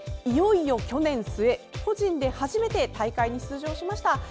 いよいよ去年末個人で初めて大会に出場しました。